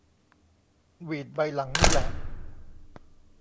หวีดใบหลังนี่แหละ